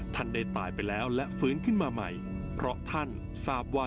ท่านได้ตายไปแล้วและฟื้นขึ้นมาใหม่เพราะท่านทราบว่า